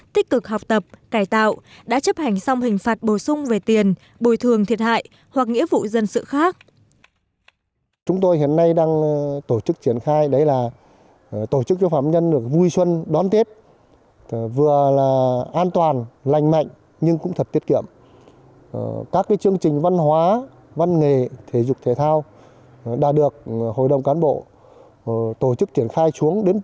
tích cực học tập cải tạo đã chấp hành xong hình phạt bổ sung về tiền bồi thường thiệt hại hoặc nghĩa vụ dân sự khác